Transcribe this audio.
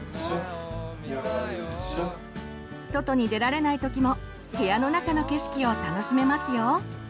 外に出られない時も部屋の中の景色を楽しめますよ。